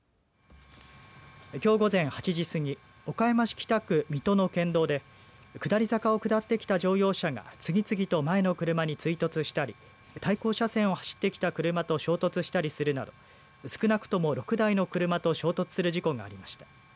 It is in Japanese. きょう午前８時過ぎ岡山市北区三和の県道で下り坂を下ってきた乗用車が次々と前の車に追突したり対向車線を走ってきた車と衝突したりするなど少なくとも６台の車と衝突する事故がありました。